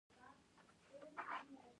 آیا غالۍ په لاس نه اوبدل کیږي؟